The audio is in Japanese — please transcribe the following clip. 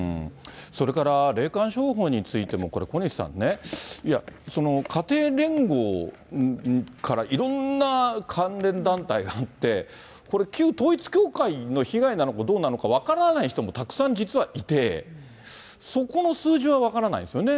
それから霊感商法についても、これ、小西さんね、いや、家庭連合からいろんな関連団体があって、これ、旧統一教会の被害なのかどうなのか分からない人もたくさん、実はいて、そこの数字は分からないんですよね。